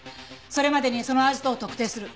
それまでにそのアジトを特定する。